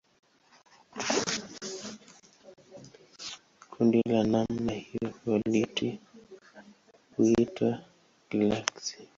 Kundi la namna hiyo huitwa galaksi.